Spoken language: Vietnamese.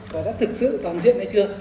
và đã thực sự toàn diện hay chưa